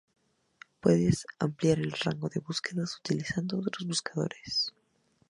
Puedes ampliar el rango de búsqueda utilizando otros buscadores